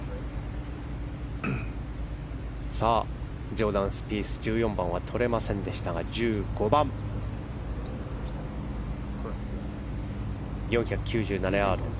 ジョーダン・スピース１４番はとれませんでしたが１５番、４９７ヤード。